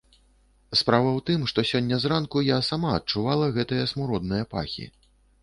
Справа ў тым, што сёння зранку я сама адчувала гэтыя смуродныя пахі.